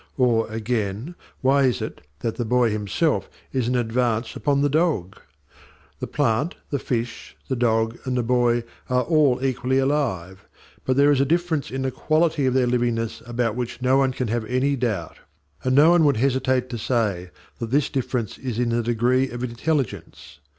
Or, again, why is it that the boy himself is an advance upon the dog? The plant, the fish, the dog, and the boy are all equally alive; but there is a difference in the quality of their livingness about which no one can have any doubt, and no one would hesitate to say that this difference is in the degree of intelligence.